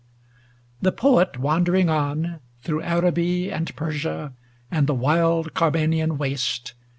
The Poet, wandering on, through Ara bic, 140 And Persia, and the wild Carmanian waste.